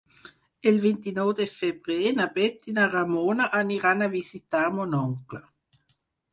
El vint-i-nou de febrer na Bet i na Ramona aniran a visitar mon oncle.